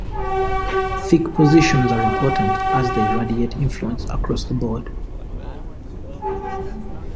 Thick positions are important as they radiate influence across the board.